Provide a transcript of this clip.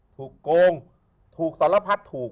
ถูกโกงถูกสารพัดถูก